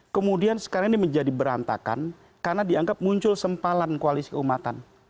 kemudian sekarang ini menjadi berantakan karena dianggap muncul sempalan koalisi keumatan